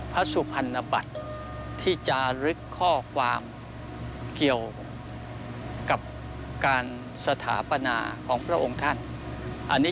ประสุภัณฑบัติ